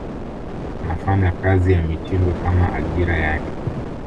anafanya kazi ya mitindo Kama ajira yake